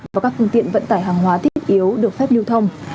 và các phương tiện vận tải hàng hóa thiết yếu được phép lưu thông